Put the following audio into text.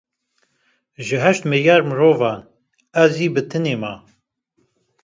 Ji heşt milyar mirovan ez yî bi tinê me